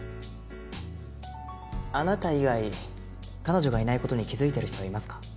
あなた以外彼女がいない事に気づいてる人はいますか？